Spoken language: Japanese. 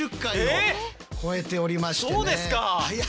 そうですか！